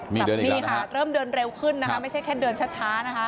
นี่ค่ะเริ่มเดินเร็วขึ้นนะคะไม่ใช่แค่เดินช้านะคะ